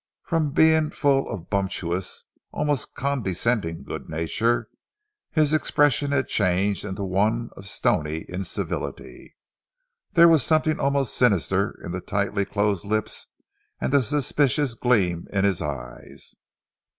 From being full of bumptious, almost condescending good nature, his expression had changed into one of stony incivility. There was something almost sinister in the tightly closed lips and the suspicious gleam in his eyes.